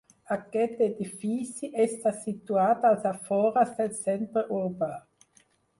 Aquest edifici està situat als afores del centre urbà.